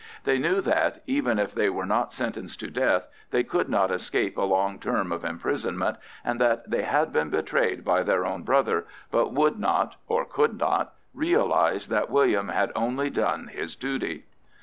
They knew that, even if they were not sentenced to death, they could not escape a long term of imprisonment, and that they had been betrayed by their own brother, but would not—or could not—realise that William had only done his duty.